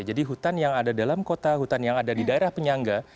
jadi hutan yang ada dalam kota hutan yang ada di daerah penyangga